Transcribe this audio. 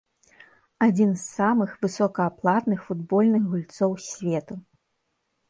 Адзін з самых высокааплатных футбольных гульцоў свету.